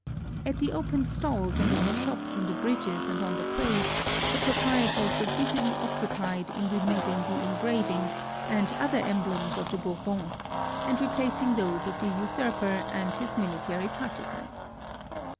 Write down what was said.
At the open stalls, and in the shops on the bridges and on the quays, the proprietors were busily occupied in re moving the engravings, and other emblems of the Bour bons, and replacing those of the usurper and his military partisans.